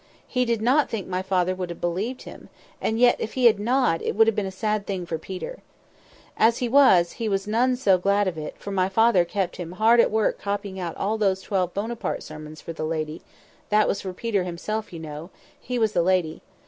He did not think my father would have believed him; and yet if he had not, it would have been a sad thing for Peter. As it was, he was none so glad of it, for my father kept him hard at work copying out all those twelve Buonaparte sermons for the lady—that was for Peter himself, you know. He was the lady.